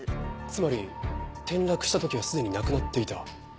つまり転落した時はすでに亡くなっていた。